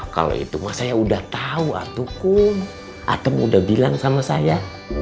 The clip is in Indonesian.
kalau itu mah saya udah tahu waktuku atem udah bilang sama saya